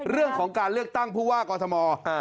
เรื่องของการเลือกตั้งผู้ว่ากอทม